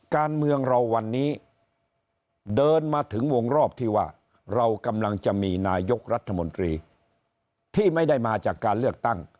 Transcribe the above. การเมืองเราวันนี้เดินมาถึงวงรอบที่ว่าเรากำลังจะมีนายกรัฐมนตรีที่ไม่ได้มาจากการเลือกตั้ง